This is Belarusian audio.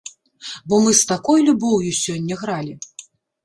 Бо мы з такой любоўю сёння гралі!